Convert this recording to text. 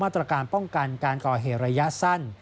ตรการป้องกันการก่อเหตุระยะสั้น